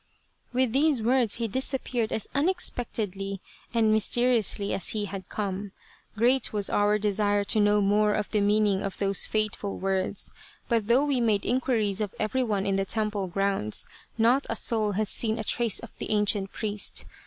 " With these words he disappeared as unexpectedly and mysteriously as he had come. Great was our de sire to know more of the meaning of those fateful words, but though we made inquiries of everyone in the temple grounds, not a soul had seen a trace of the ancient priest.